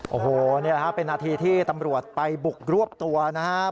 โอ้โหนี่แหละครับเป็นนาทีที่ตำรวจไปบุกรวบตัวนะครับ